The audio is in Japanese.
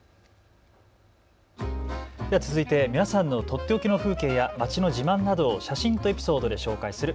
では続いて皆さんのとっておきの風景や街の自慢などを写真とエピソードで紹介する＃